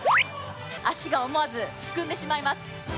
足が思わずすくんでしまいます。